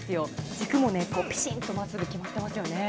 軸もぴしっとまっすぐ決まってますよね。